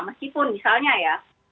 meskipun misalnya ya